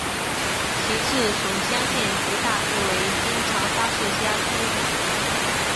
其治所湘县即大致为今长沙市辖区。